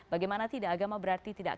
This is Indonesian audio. bagaimana tidak agama berarti tidak